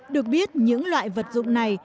được biết những loại vật dụng này